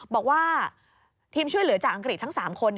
บอกว่าทีมช่วยเหลือจากอังกฤษทั้ง๓คน